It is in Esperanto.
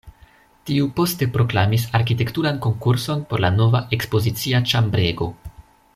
Tiu poste proklamis arkitekturan konkurson por la nova ekspozicia ĉambrego.